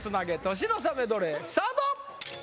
年の差メドレースタート！